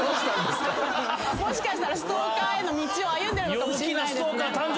もしかしたらストーカーへの道を歩んでるのかもしれないですね。